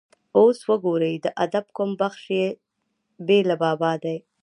اوس وګورئ د ادب کوم بخش بې له بابا دی.